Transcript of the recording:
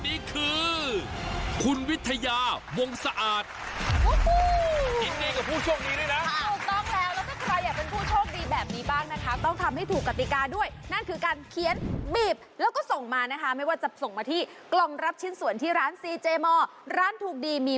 ถูกต้องแล้วเพราะว่าหลายคนที่ส่งพอมาเพื่ออยากได้มอเตอร์ไซค์ก็อย่างนั้นนี่ไง